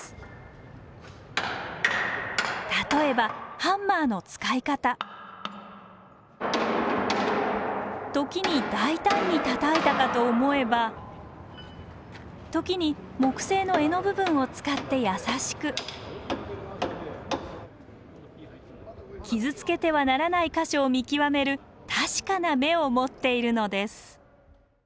例えばハンマーの使い方時に大胆にたたいたかと思えば時に木製の柄の部分を使って優しく傷つけてはならない箇所を見極める確かな目を持っているのです。